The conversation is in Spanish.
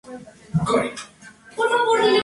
Con la muerte de Carlos, María huyó a Aviñón.